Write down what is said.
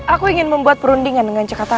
aku ingin membuat perundingan dengan jakarta